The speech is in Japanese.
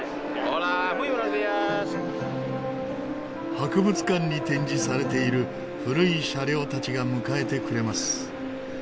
博物館に展示されている古い車両たちが迎えてくれます。